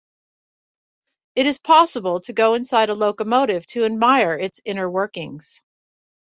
It is possible to go inside a locomotive to admire its inner workings.